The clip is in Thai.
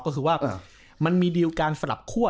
ก็คือว่ามันมีดีลการสลับคั่ว